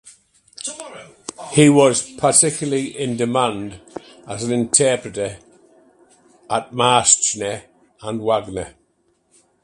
He was particularly in demand as an interpreter of Marschner and Wagner.